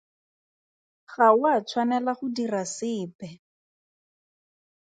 Ga o a tshwanela go dira sepe.